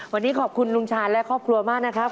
วันนี้ขอบคุณลุงชาญและครอบครัวมากนะครับ